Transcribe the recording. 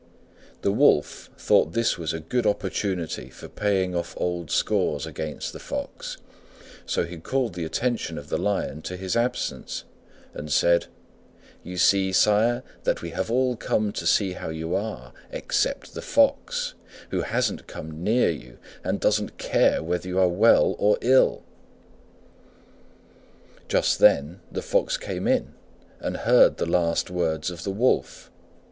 The Wolf thought this was a good opportunity for paying off old scores against the Fox, so he called the attention of the Lion to his absence, and said, "You see, sire, that we have all come to see how you are except the Fox, who hasn't come near you, and doesn't care whether you are well or ill." Just then the Fox came in and heard the last words of the Wolf.